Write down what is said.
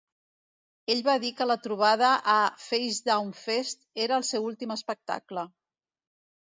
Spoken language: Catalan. Ell va dir que la trobada a Facedown Fest era el seu últim espectacle.